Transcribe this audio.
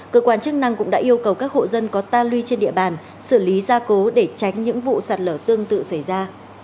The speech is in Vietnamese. cơ quan chức năng cũng đã yêu cầu các hộ dân có ta luy trên địa bàn xử lý gia cố để tránh những vụ sạt lở tương tự xảy ra